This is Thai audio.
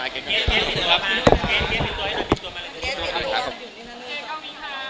ขอบคุณครับ